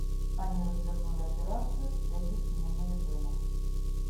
Они развернули операцию с целью смены режима.